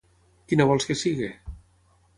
¿Quina vols que sigui?